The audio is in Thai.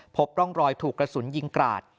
พบร่องรอยถูกกระสุนยิงกราด